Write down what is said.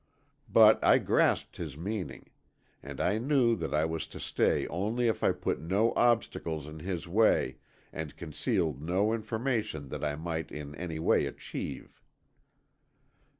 But I grasped his meaning, and I knew that I was to stay only if I put no obstacles in his way and concealed no information that I might in any way achieve.